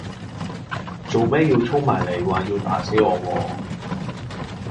做咩要衝埋嚟話要打死我喎